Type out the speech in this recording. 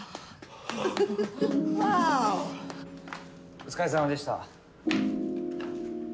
お疲れさまでした。